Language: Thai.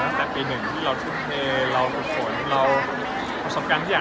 ตั้งแต่ปีหนึ่งที่เราทุ่มเทเราฝึกฝนเราประสบการณ์ทุกอย่าง